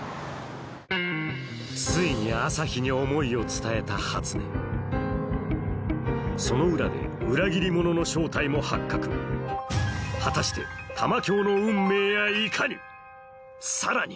ついに朝陽に思いを伝えた初音その裏で裏切り者の正体も発覚果たして玉響の運命やいかにさらに！